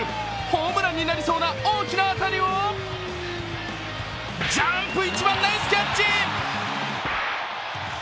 ホームランになりそうな大きな当たりをジャンプ一番ナイスキャッチ。